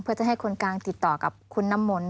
เพื่อจะให้คนกลางติดต่อกับคุณน้ำมนต์